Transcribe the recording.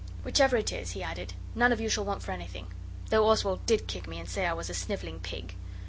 'Whichever it is,' he added, 'none of you shall want for anything, though Oswald did kick me, and say I was a snivelling pig.